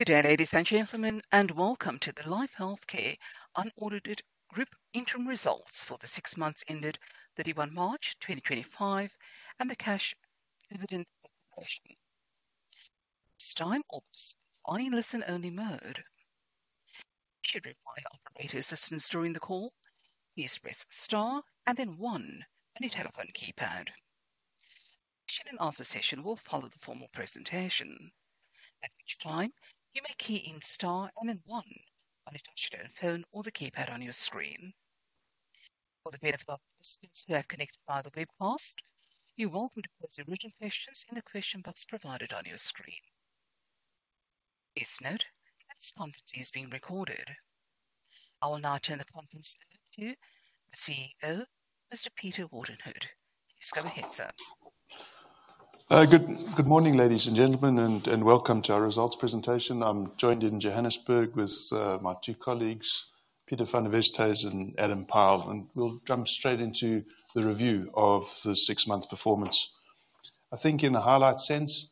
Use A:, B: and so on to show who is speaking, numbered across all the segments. A: Good day, ladies and gentlemen, and welcome to the Life Healthcare unaudited group interim results for the six months ended 31 March 2025 and the cash dividend situation. This time, obviously, I'm in listen-only mode. You should reply after I do assistance during the call. Please press star and then one on your telephone keypad. If you're in another session, we'll follow the formal presentation. At this time, you may key in star and then one while you touch your phone or the keypad on your screen. For the benefit of participants who are connected via the webcast, you're welcome to pose your written questions in the question box provided on your screen. Please note, this conference is being recorded. I will now turn the conference over to the CEO, Mr. Peter Wharton-Hood. Please go ahead, sir.
B: Good morning, ladies and gentlemen, and welcome to our results presentation. I'm joined in Johannesburg with my two colleagues, Pieter van der Westhuizen and Adam Pyle, and we'll jump straight into the review of the six-month performance. I think in a highlight sense,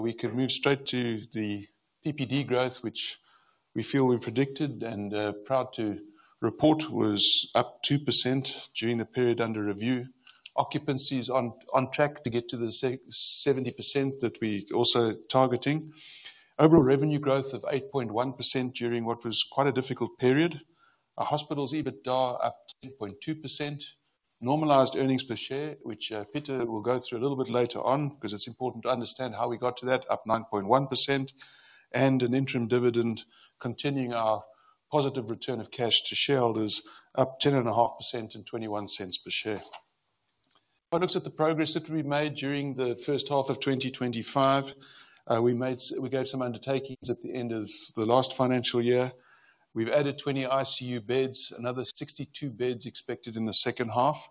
B: we could move straight to the PPD growth, which we feel we predicted and are proud to report was up 2% during the period under review. Occupancy is on track to get to the 70% that we're also targeting. Overall revenue growth of 8.1% during what was quite a difficult period. Our hospitals, EBITDA up 8.2%. Normalized earnings per share, which Pieter will go through a little bit later on because it's important to understand how we got to that, up 9.1%. An interim dividend continuing our positive return of cash to shareholders up 10.5% and 21 cents per share. If I look at the progress that we made during the first half of 2025, we gave some undertakings at the end of the last financial year. We've added 20 ICU beds, another 62 beds expected in the second half.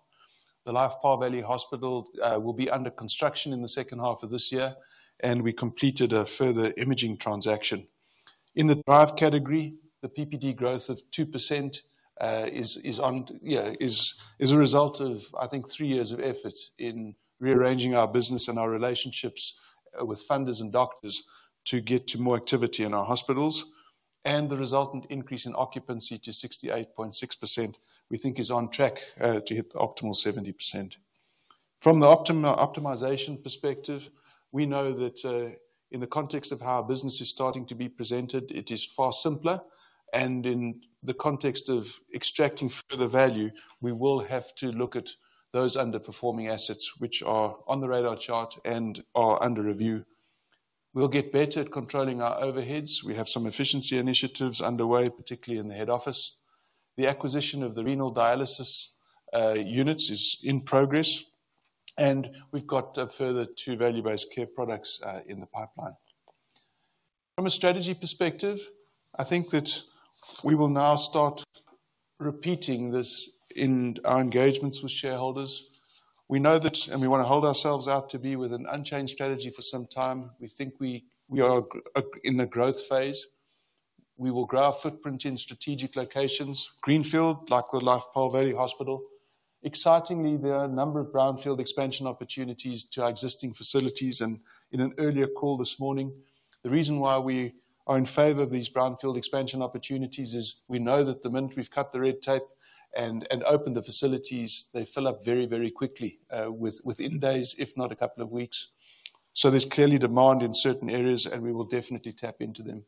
B: The Life Paarl Valley Hospital will be under construction in the second half of this year, and we completed a further imaging transaction. In the drive category, the PPD growth of 2% is a result of, I think, three years of effort in rearranging our business and our relationships with funders and doctors to get to more activity in our hospitals. The resultant increase in occupancy to 68.6% is on track to hit the optimal 70%. From the optimization perspective, we know that in the context of how our business is starting to be presented, it is far simpler. In the context of extracting further value, we will have to look at those underperforming assets, which are on the radar chart and are under review. We'll get better at controlling our overheads. We have some efficiency initiatives underway, particularly in the head office. The acquisition of the renal dialysis units is in progress, and we've got a further two value-based care products in the pipeline. From a strategy perspective, I think that we will now start repeating this in our engagements with shareholders. We know that, and we want to hold ourselves out to be with an unchanged strategy for some time. We think we are in the growth phase. We will grow our footprint in strategic locations, greenfield, like the Life Paarl Valley Hospital. Excitingly, there are a number of brownfield expansion opportunities to our existing facilities. In an earlier call this morning, the reason why we are in favor of these brownfield expansion opportunities is we know that the minute we have cut the red tape and opened the facilities, they fill up very, very quickly within days, if not a couple of weeks. There is clearly demand in certain areas, and we will definitely tap into them.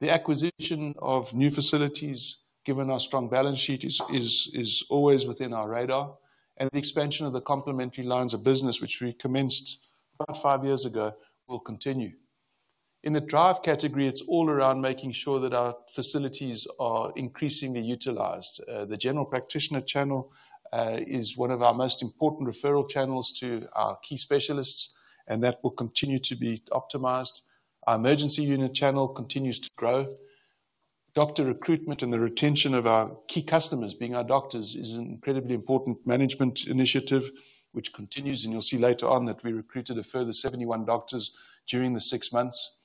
B: The acquisition of new facilities, given our strong balance sheet, is always within our radar. The expansion of the complementary lines of business, which we commenced about five years ago, will continue. In the drive category, it is all around making sure that our facilities are increasingly utilized. The general practitioner channel is one of our most important referral channels to our key specialists, and that will continue to be optimized. Our emergency unit channel continues to grow. Doctor recruitment and the retention of our key customers, being our doctors, is an incredibly important management initiative, which continues. You will see later on that we recruited a further 71 doctors during the six months.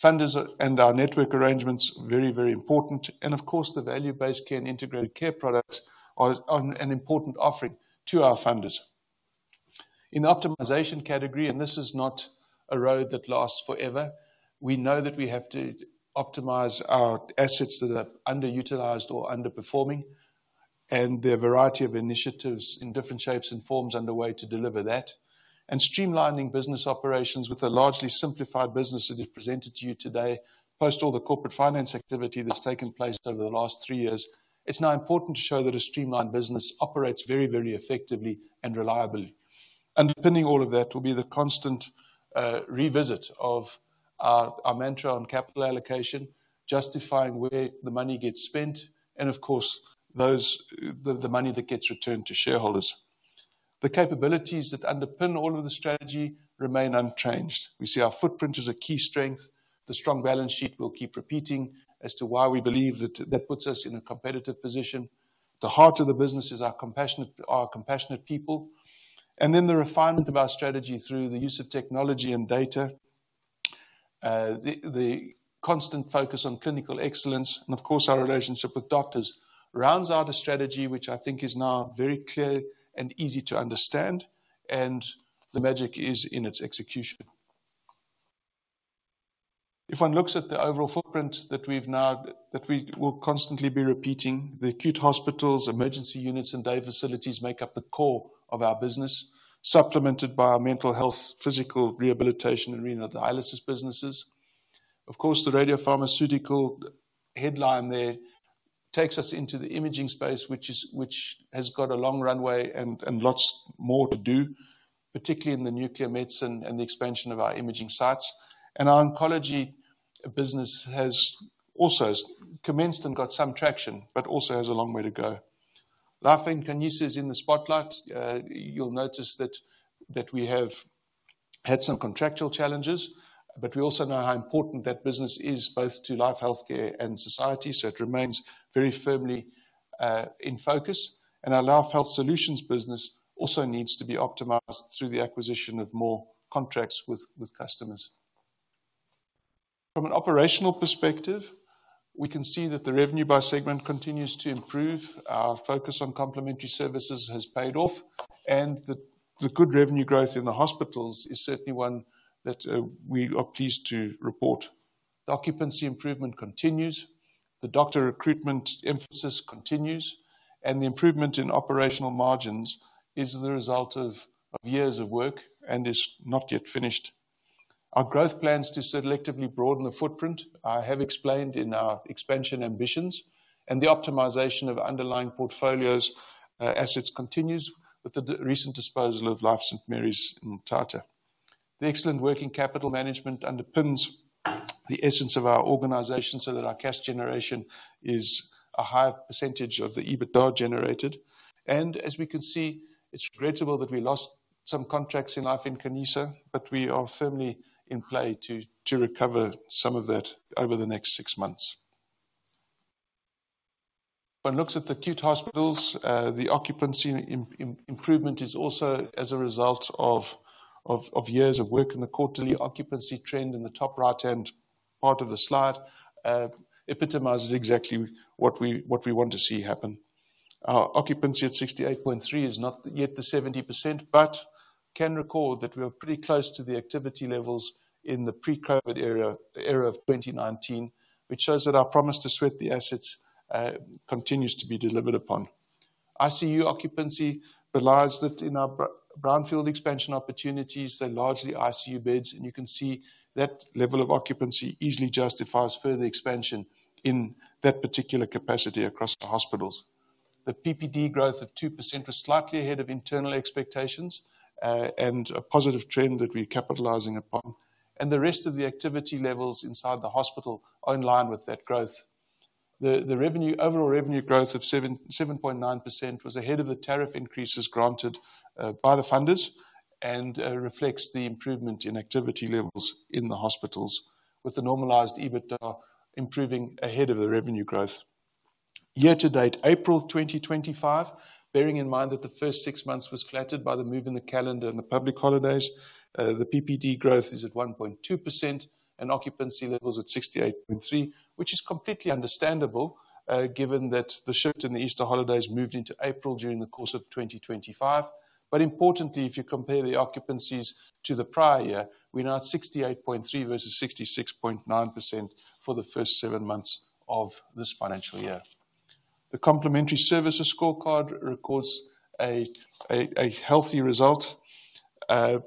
B: Funders and our network arrangements, very, very important. Of course, the value-based care and integrated care products are an important offering to our funders. In the optimization category, and this is not a road that lasts forever, we know that we have to optimize our assets that are underutilized or underperforming. There are a variety of initiatives in different shapes and forms underway to deliver that. Streamlining business operations with a largely simplified business that is presented to you today, post all the corporate finance activity that has taken place over the last three years, it is now important to show that a streamlined business operates very, very effectively and reliably. Underpinning all of that will be the constant revisit of our mantra on capital allocation, justifying where the money gets spent, and of course, the money that gets returned to shareholders. The capabilities that underpin all of the strategy remain unchanged. We see our footprint as a key strength. The strong balance sheet will keep repeating as to why we believe that that puts us in a competitive position. The heart of the business is our compassionate people. Then the refinement of our strategy through the use of technology and data, the constant focus on clinical excellence, and of course, our relationship with doctors, rounds out a strategy which I think is now very clear and easy to understand. The magic is in its execution. If one looks at the overall footprint that we've now, that we will constantly be repeating, the acute hospitals, emergency units, and day facilities make up the core of our business, supplemented by our mental health, physical rehabilitation, and renal dialysis businesses. Of course, the radiopharmaceutical headline there takes us into the imaging space, which has got a long runway and lots more to do, particularly in the nuclear medicine and the expansion of our imaging sites. Our oncology business has also commenced and got some traction, but also has a long way to go. Life Nkanyisa is in the spotlight. You'll notice that we have had some contractual challenges, but we also know how important that business is both to Life Healthcare and society, so it remains very firmly in focus. Our Life Health Solutions business also needs to be optimized through the acquisition of more contracts with customers. From an operational perspective, we can see that the revenue by segment continues to improve. Our focus on complementary services has paid off, and the good revenue growth in the hospitals is certainly one that we are pleased to report. Occupancy improvement continues. The doctor recruitment emphasis continues, and the improvement in operational margins is the result of years of work and is not yet finished. Our growth plans to selectively broaden the footprint, I have explained in our expansion ambitions, and the optimization of underlying portfolio assets continues with the recent disposal of Life St. Mary's in Mthatha. The excellent working capital management underpins the essence of our organization so that our cash generation is a higher percentage of the EBITDA generated. As we can see, it's regrettable that we lost some contracts in Life Nkanyisa, but we are firmly in play to recover some of that over the next six months. When it looks at the acute hospitals, the occupancy improvement is also as a result of years of work in the quarterly occupancy trend in the top right-hand part of the slide. It epitomizes exactly what we want to see happen. Our occupancy at 68.3% is not yet the 70%, but can recall that we were pretty close to the activity levels in the pre-COVID era of 2019, which shows that our promise to sweat the assets continues to be delivered upon. ICU occupancy relies that in our brownfield expansion opportunities, they're largely ICU beds, and you can see that level of occupancy easily justifies further expansion in that particular capacity across the hospitals. The PPD growth of 2% was slightly ahead of internal expectations and a positive trend that we're capitalizing upon. The rest of the activity levels inside the hospital are in line with that growth. The overall revenue growth of 7.9% was ahead of the tariff increases granted by the funders and reflects the improvement in activity levels in the hospitals, with the normalized EBITDA improving ahead of the revenue growth. Year-to-date April 2025, bearing in mind that the first six months was flattered by the move in the calendar and the public holidays, the PPD growth is at 1.2% and occupancy levels at 68.3%, which is completely understandable given that the shift in the Easter holidays moved into April during the course of 2025. Importantly, if you compare the occupancies to the prior year, we're now at 68.3% versus 66.9% for the first seven months of this financial year. The complementary services scorecard records a healthy result.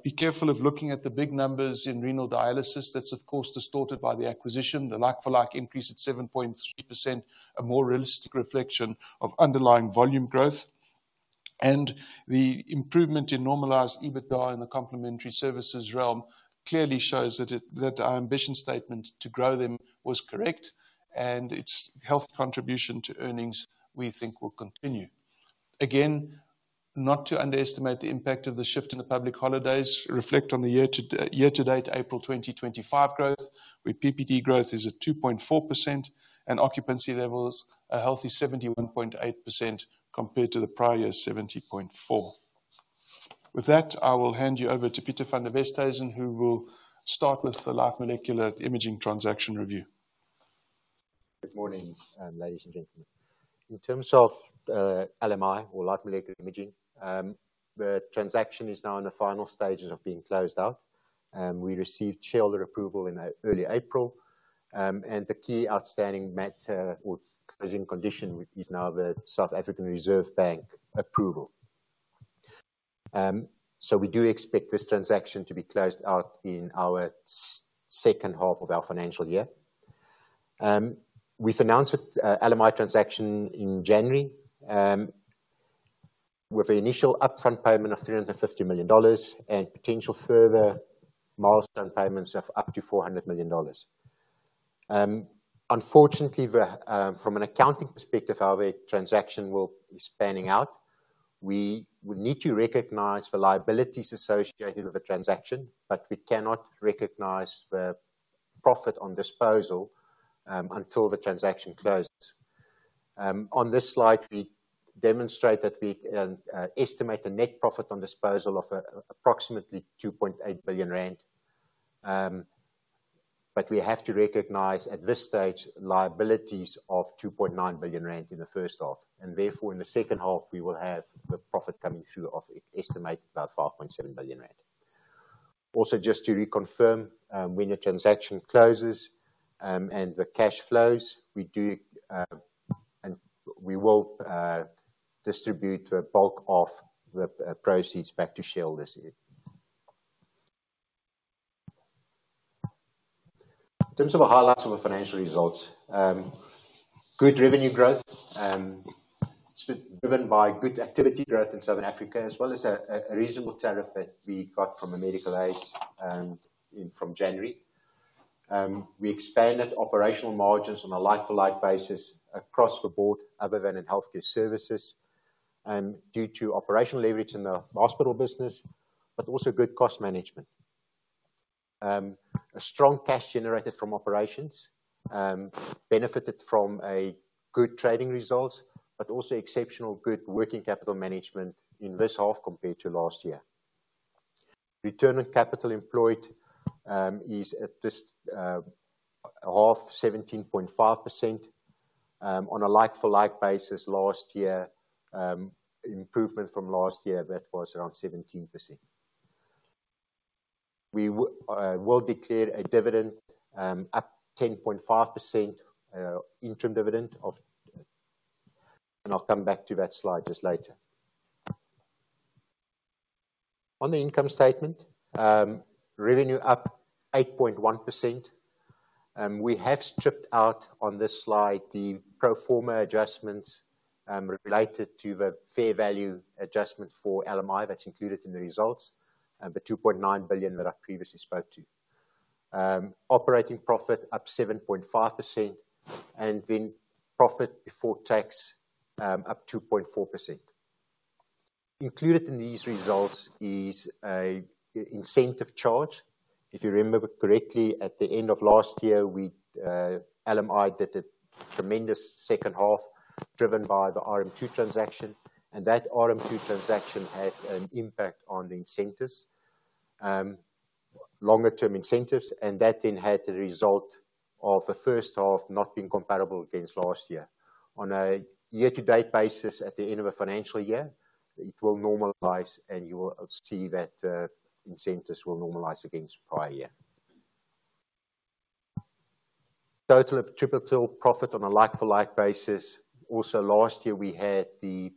B: Be careful of looking at the big numbers in renal dialysis. That's, of course, distorted by the acquisition. The like-for-like increase at 7.3% is a more realistic reflection of underlying volume growth. The improvement in normalized EBITDA in the complementary services realm clearly shows that our ambition statement to grow them was correct, and its health contribution to earnings we think will continue. Again, not to underestimate the impact of the shift in the public holidays, reflect on the year-to-date April 2025 growth, where PPD growth is at 2.4% and occupancy levels a healthy 71.8% compared to the prior year's 70.4%. With that, I will hand you over to Pieter van der Westhuizen, who will start with the Life Molecular Imaging transaction review.
C: Good morning, ladies and gentlemen. In terms of LMI or Life Molecular Imaging, the transaction is now in the final stages of being closed up. We received shareholder approval in early April, and the key outstanding matter or closing condition is now the South African Reserve Bank approval. We do expect this transaction to be closed out in our second half of our financial year. We've announced an LMI transaction in January with an initial upfront payment of $350 million and potential further milestone payments of up to $400 million. Unfortunately, from an accounting perspective, our transaction will be spanning out. We would need to recognize the liabilities associated with the transaction, but we cannot recognize the profit on disposal until the transaction closes. On this slide, we demonstrate that we estimate a net profit on disposal of approximately 2.8 billion rand. We have to recognize at this stage liabilities of 2.9 billion rand in the first half. Therefore, in the second half, we will have the profit coming through of estimated about 5.7 billion rand. Also, just to reconfirm, when the transaction closes and the cash flows, we will distribute a bulk of the proceeds back to shareholders. In terms of the highlights of the financial results, good revenue growth driven by good activity growth in Southern Africa, as well as a reasonable tariff that we got from a medical aid from January. We expanded operational margins on a life-for-life basis across the board, other than in healthcare services, due to operational leverage in the hospital business, but also good cost management. Strong cash generated from operations benefited from good trading results, but also exceptional good working capital management in this half compared to last year. Return on capital employed is at this half, 17.5%. On a like-for-like basis, last year, improvement from last year, that was around 17%. We will declare a dividend up 10.5% interim dividend of, and I'll come back to that slide just later. On the income statement, revenue up 8.1%. We have stripped out on this slide the pro forma adjustments related to the fair value adjustment for LMI that's included in the results, the 2.9 billion that I previously spoke to. Operating profit up 7.5%, and then profit before tax up 2.4%. Included in these results is an incentive charge. If you remember correctly, at the end of last year, LMI did a tremendous second half driven by the RM2 transaction, and that RM2 transaction had an impact on the incentives, longer-term incentives, and that then had the result of the first half not being comparable against last year. On a year-to-date basis, at the end of a financial year, it will normalize, and you will see that incentives will normalize against prior year. Total triple-till profit on a like-for-like basis. Also, last year, we had the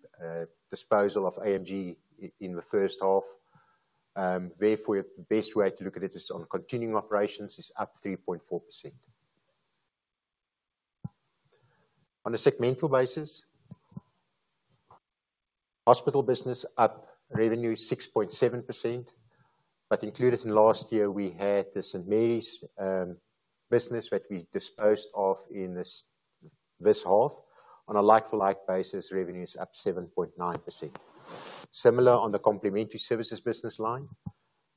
C: disposal of AMG in the first half. Therefore, the best way to look at it is on continuing operations is up 3.4%. On a segmental basis, hospital business up revenue 6.7%, but included in last year, we had the St. Mary's business that we disposed of in this half. On a like-for-like basis, revenue is up 7.9%. Similar on the complementary services business line,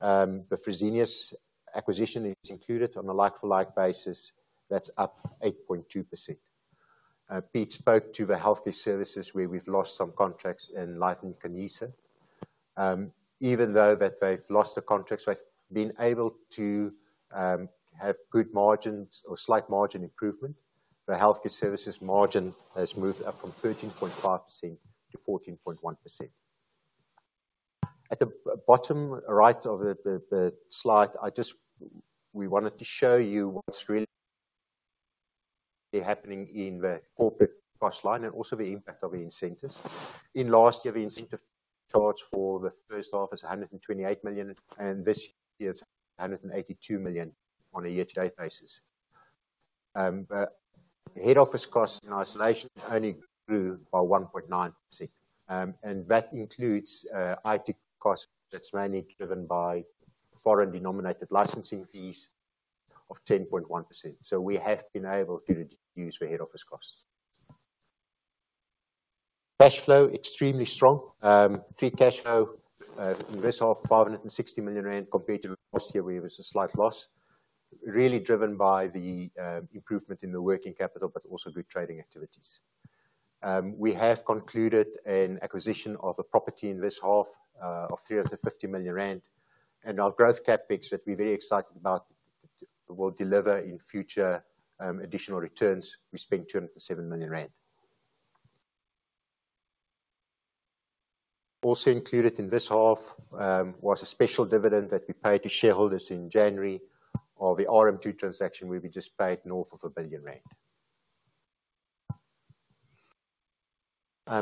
C: the Fresenius acquisition is included on a like-for-like basis. That's up 8.2%. Pete spoke to the healthcare services where we've lost some contracts in Life Nkanyisa. Even though they've lost the contracts, they've been able to have good margins or slight margin improvement. The healthcare services margin has moved up from 13.5% to 14.1%. At the bottom right of the slide, we wanted to show you what's really happening in the corporate cost line and also the impact of the incentives. In last year, the incentive charge for the first half was 128 million, and this year it's 182 million on a year-to-date basis. Head office costs in isolation only grew by 1.9%, and that includes IT costs that's mainly driven by foreign denominated licensing fees of 10.1%. We have been able to reduce the head office costs. Cash flow, extremely strong. Free cash flow in this half, 560 million rand compared to last year, where it was a slight loss, really driven by the improvement in the working capital, but also good trading activities. We have concluded an acquisition of a property in this half of 350 million rand, and our growth capex that we're very excited about will deliver in future additional returns. We spent 207 million rand. Also included in this half was a special dividend that we paid to shareholders in January of the RM2 transaction, where we just paid north of 1 billion rand.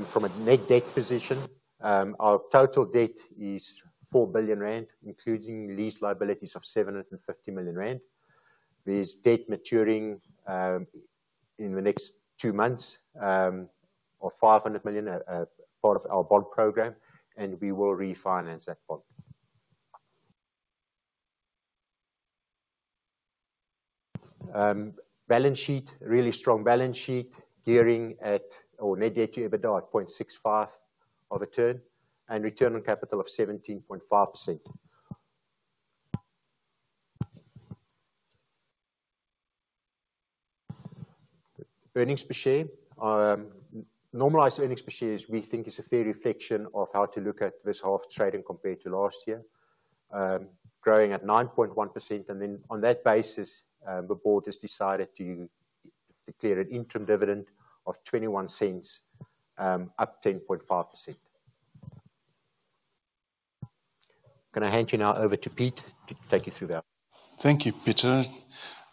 C: From a net debt position, our total debt is 4 billion rand, including lease liabilities of 750 million rand. There's debt maturing in the next two months of 500 million as part of our bond program, and we will refinance that bond. Balance sheet, really strong balance sheet, gearing at or net debt to EBITDA at 0.65 of a turn and return on capital of 17.5%. Earnings per share, normalized earnings per share, we think is a fair reflection of how to look at this half trading compared to last year, growing at 9.1%. On that basis, the board has decided to declare an interim dividend of 0.21, up 10.5%. I'm going to hand you now over to Pete to take you through that.
B: Thank you, Pieter.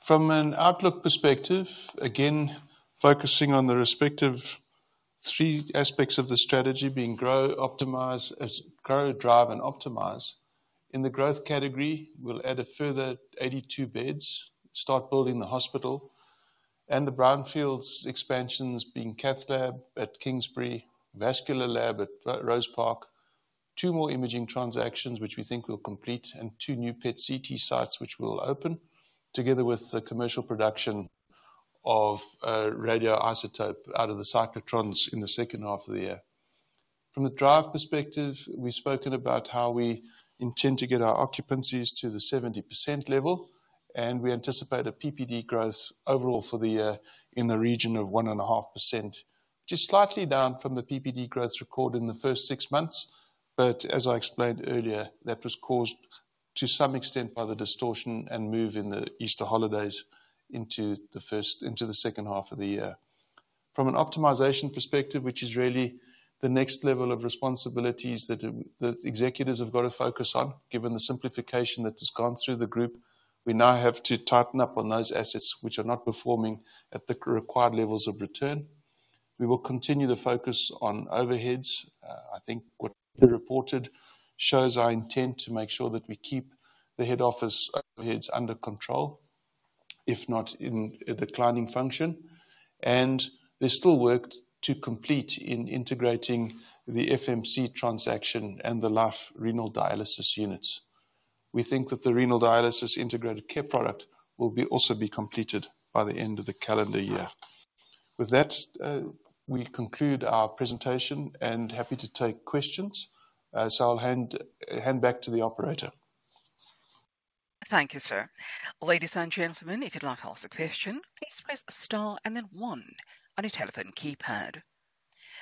B: From an outlook perspective, again, focusing on the respective three aspects of the strategy being grow, optimize, grow, drive, and optimize. In the growth category, we'll add a further 82 beds, start building the hospital, and the Brownfield expansions being cathlab at Kingsbury, vascular lab at Rosepark, two more imaging transactions, which we think we'll complete, and two new PET-CT sites, which we'll open together with the commercial production of radioisotope out of the cyclotrons in the second half of the year. From the drive perspective, we've spoken about how we intend to get our occupancies to the 70% level, and we anticipate a PPD growth overall for the year in the region of 1.5%, just slightly down from the PPD growth record in the first six months. As I explained earlier, that was caused to some extent by the distortion and move in the Easter holidays into the second half of the year. From an optimization perspective, which is really the next level of responsibilities that the executives have got to focus on, given the simplification that has gone through the group, we now have to tighten up on those assets which are not performing at the required levels of return. We will continue the focus on overheads. I think what Pieter reported shows our intent to make sure that we keep the head office overheads under control, if not in a declining function. There is still work to complete in integrating the FMC transaction and the Life renal dialysis units. We think that the renal dialysis integrated care product will also be completed by the end of the calendar year. With that, we conclude our presentation and happy to take questions. I will hand back to the operator.
A: Thank you, sir. Ladies and gentlemen, if you'd like to ask a question, please press star and then one on your telephone keypad.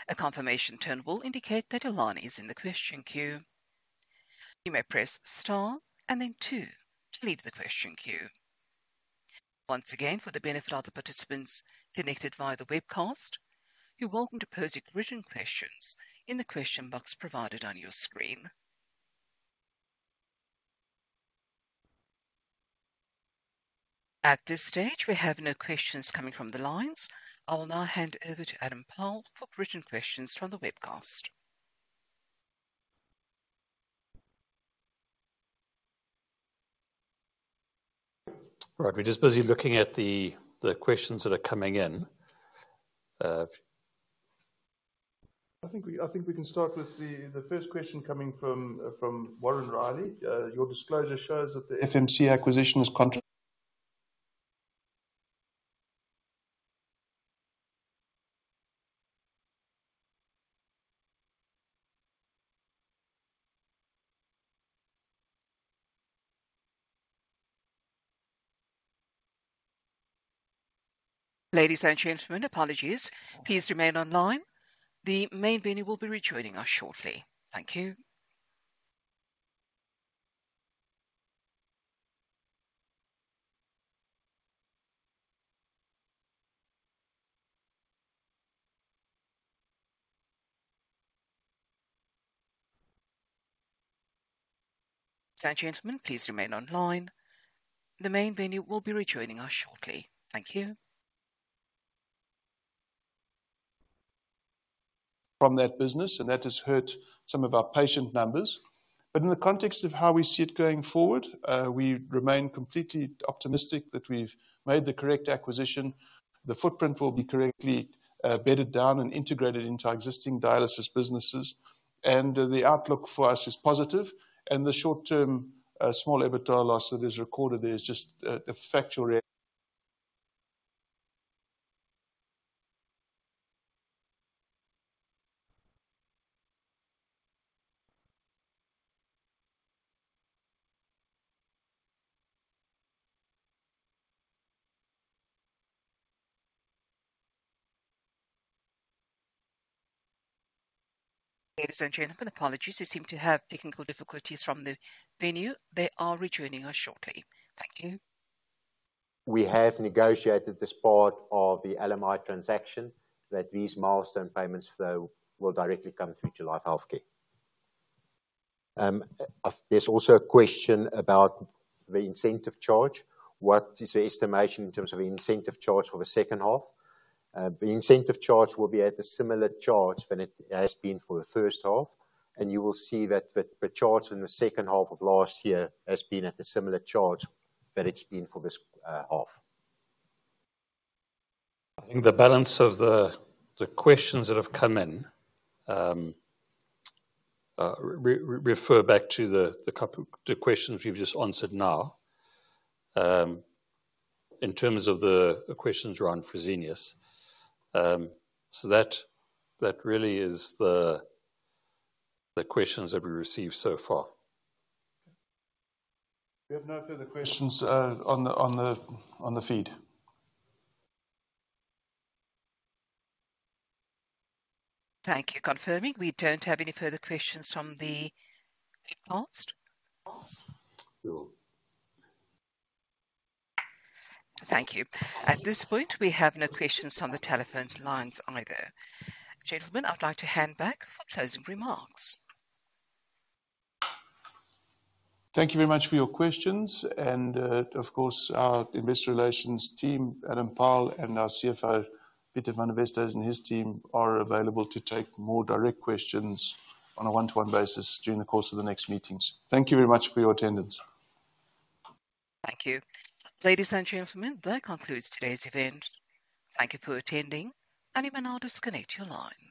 A: A confirmation tone will indicate that your line is in the question queue. You may press star and then two to leave the question queue. Once again, for the benefit of the participants connected via the webcast, you're welcome to pose your questions in the question box provided on your screen. At this stage, we have no questions coming from the lines. I will now hand over to Adam Pyle for written questions from the webcast.
D: Right, we're just busy looking at the questions that are coming in.
B: I think we can start with the first question coming from Warren Riley. Your disclosure shows that the FMC acquisition is contract.
A: Ladies and gentlemen, apologies. Please remain online. The main venue will be rejoining us shortly. Thank you. Ladies and gentlemen, please remain online. The main venue will be rejoining us shortly. Thank you.
B: From that business, and that has hurt some of our patient numbers. In the context of how we see it going forward, we remain completely optimistic that we've made the correct acquisition. The footprint will be correctly bedded down and integrated into our existing dialysis businesses. The outlook for us is positive. The short-term small EBITDA loss that is recorded there is just a factual rate.
A: Ladies and gentlemen, apologies. They seem to have technical difficulties from the venue. They are returning us shortly. Thank you.
C: We have negotiated this part of the LMI transaction that these milestone payments flow will directly come through to Life Healthcare. There is also a question about the incentive charge. What is the estimation in terms of the incentive charge for the second half? The incentive charge will be at a similar charge than it has been for the first half. You will see that the charge in the second half of last year has been at a similar charge than it has been for this half.
D: I think the balance of the questions that have come in refer back to the questions you've just answered now in terms of the questions around Fresenius. That really is the questions that we received so far.
B: We have no further questions on the feed.
A: Thank you. Confirming we don't have any further questions from the webcast.
D: We will.
A: Thank you. At this point, we have no questions on the telephone lines either. Gentlemen, I'd like to hand back for closing remarks.
B: Thank you very much for your questions. Of course, our investor relations team, Adam Pyle, and our CFO, Pieter van der Westhuizen, and his team are available to take more direct questions on a one-to-one basis during the course of the next meetings. Thank you very much for your attendance.
A: Thank you. Ladies and gentlemen, that concludes today's event. Thank you for attending, and you may now disconnect your line.